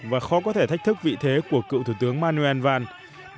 và khó có thể thách thức vị thế của cựu thủ tướng manuel van